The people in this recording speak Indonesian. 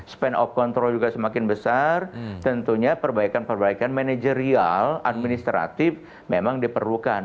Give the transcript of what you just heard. span of control juga semakin besar tentunya perbaikan perbaikan manajerial administratif memang diperlukan